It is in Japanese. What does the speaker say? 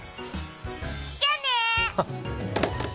じゃあねー。